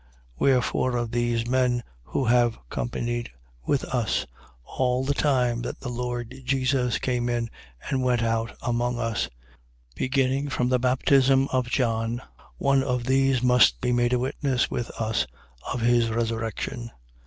Wherefore of these men who have companied with us, all the time that the Lord Jesus came in and went out among us, 1:22. Beginning from the baptism of John, until the day wherein he was taken up from us, one of these must be made a witness with us of his resurrection.